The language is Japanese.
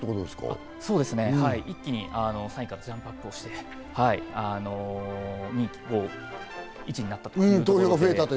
一気に３位からジャンプアップして、人気投票１位になった。